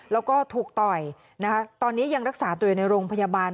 แล้วก็ถูกต่อยนะคะตอนนี้ยังรักษาตัวอยู่ในโรงพยาบาล